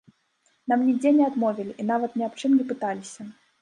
Нам нідзе не адмовілі і нават ні аб чым не пыталіся.